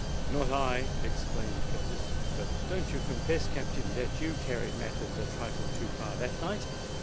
"Not I!" exclaimed Curtis. "But don't you confess, Captain, that you carried matters a trifle too far that night?